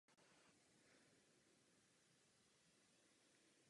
Přesto byl společností Vodafone vybrán pro jejich reklamu v Itálii.